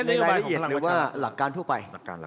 ในรายละเอียดหรือว่าหลักการทั่วไป